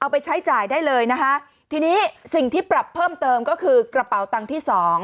ไปใช้จ่ายได้เลยนะคะทีนี้สิ่งที่ปรับเพิ่มเติมก็คือกระเป๋าตังค์ที่สอง